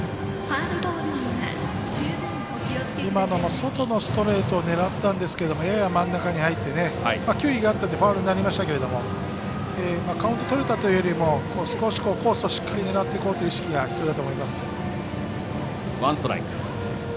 今のも外のストレートを狙ったんですけどやや真ん中に入って球威があったんでファウルになりましたけどもカウントをとれたというよりも少しコースをしっかり狙っていこうという意識が必要です。